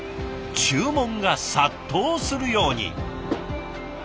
注文が殺到するように。